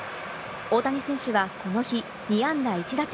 大谷選手はこの日、２安打１打点。